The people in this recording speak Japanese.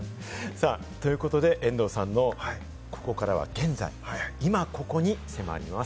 ということで、遠藤さんのここからは現在、イマココに迫ります。